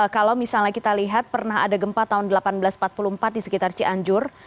kalau misalnya kita lihat pernah ada gempa tahun seribu delapan ratus empat puluh empat di sekitar cianjur